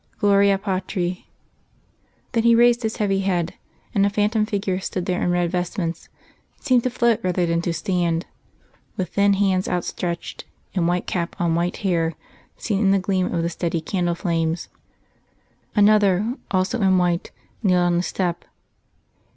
_" Gloria Patri.... Then he raised his heavy head; and a phantom figure stood there in red vestments, seeming to float rather than to stand, with thin hands outstretched, and white cap on white hair seen in the gleam of the steady candle flames; another, also in white, kneeled on the step....